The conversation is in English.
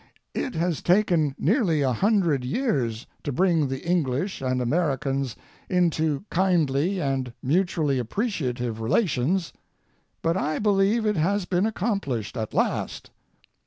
It has taken nearly a hundred years to bring the English and Americans into kindly and mutually appreciative relations, but I believe it has been accomplished at last.